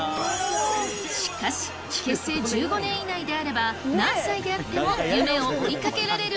しかし、結成１５年以内であれば何歳であっても夢を追いかけられる！